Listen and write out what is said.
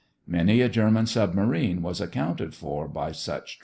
Many a German submarine was accounted for by such traps.